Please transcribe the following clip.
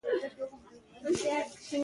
زما خور زما لپاره تل ښه خواړه پخوي.